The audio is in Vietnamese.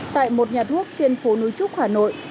tại một nhà thuốc trên phố núi trúc hà nội